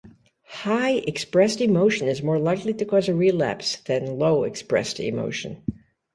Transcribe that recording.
High expressed emotion is more likely to cause a relapse than low expressed emotion.